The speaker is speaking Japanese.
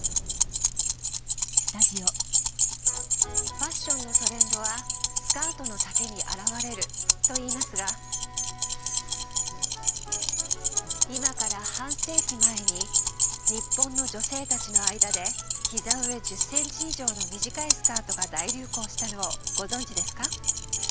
ファッションのトレンドはスカートの丈に表れるといいますが今から半世紀前に日本の女性たちの間で膝上１０センチ以上の短いスカートが大流行したのをご存じですか？